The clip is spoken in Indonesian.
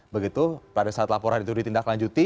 begitu pada saat laporan itu ditindaklanjuti